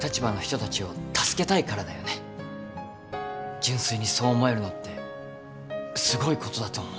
純粋にそう思えるのってすごいことだと思う。